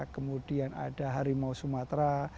kemudian ada harimau sumatera